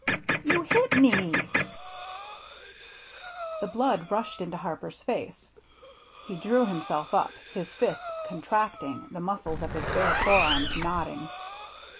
" You hit me !" The blood rushed into Harper's face ; he drew himself up, his fists contracting, the muscles of his bare forearms knotting.